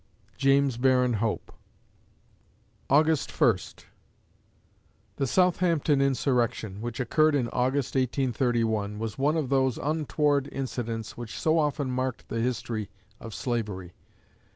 JAMES BARRON HOPE August First The Southampton Insurrection, which occurred in August, 1831, was one of those untoward incidents which so often marked the history of slavery.